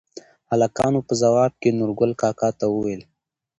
هلکانو په ځواب کې نورګل کاکا ته ووېل: